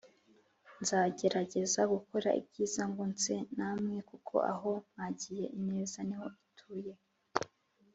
nzagerageza gukora ibyiza ngo nse na mwe kuko aho mwagiye ineza niho ituye.